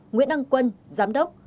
nguyễn ăn quân giám đốc